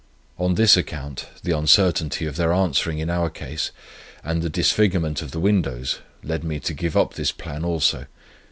On this account, the uncertainty of their answering in our case, and the disfigurement of the rooms, led me to give up this plan also.